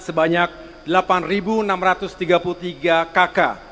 sebanyak delapan enam ratus tiga puluh tiga kakak